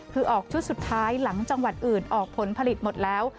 คือออกชุดสุดท้ายหลังจังหวัดอื่นออกผลผลิตหมดแล้ว